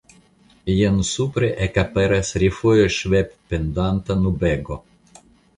Jen supre ekaperas refoje ŝvebpendanta nubego.